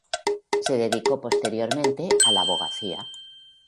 Se dedicó posteriormente a la abogacía.